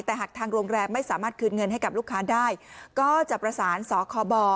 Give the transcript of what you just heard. แต่หากทางโรงแรมไม่สามารถคืนเงินให้กับลูกค้าได้ก็จะประสานสคบ